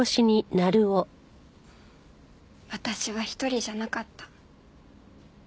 私は一人じゃなかった。